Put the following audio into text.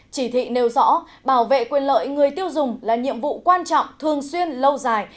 chỉ thị nêu rõ bảo vệ quyền lợi người tiêu dùng là nhiệm vụ quan trọng thường xuyên lâu dài